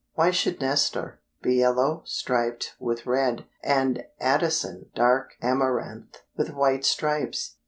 Why should Nestor be yellow striped with red, and Addison dark amaranth, with white stripes?